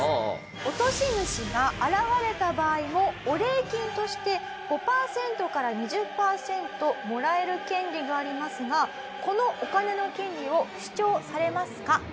落とし主が現れた場合もお礼金として５パーセントから２０パーセントもらえる権利がありますがこのお金の権利を主張されますか？